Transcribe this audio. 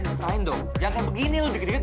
terima kasih bapak